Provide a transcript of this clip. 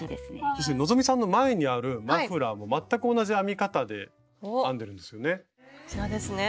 そして希さんの前にあるマフラーも全く同じ編み方で編んでるんですよね。